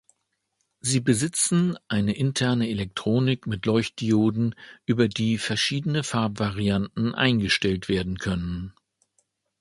Sie besitzen eine interne Elektronik mit Leuchtdioden, über die verschiedene Farbvarianten eingestellt werden können.